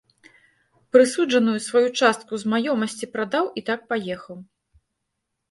Прысуджаную сваю частку з маёмасці прадаў і так паехаў.